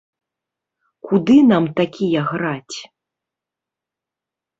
Куды нам такія граць.